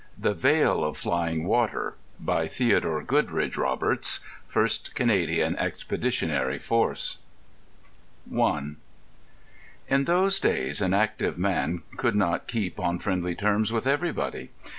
The Veil of Flying Water By Theodore Goodridge Roberts 1st Canadian Expeditionary Force I In those days an active man could not keep on friendly terms with everybody.